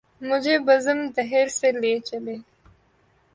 مجھے بزم دہر سے لے چلے